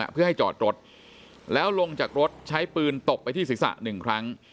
เพื่อให้จอดรถแล้วลงจากรถใช้ปืนตบไปที่ศีรษะ๑ครั้ง